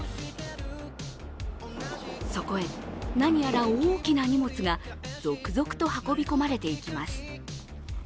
そこへ何やら大きな荷物が続々と運び込まれていきます。